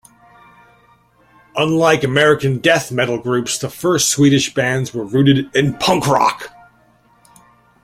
Unlike American death metal groups, the first Swedish bands were rooted in punk rock.